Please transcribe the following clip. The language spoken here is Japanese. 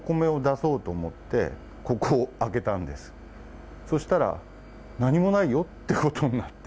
そうしたら、何もないよってことになって。